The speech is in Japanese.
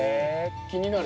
気になる。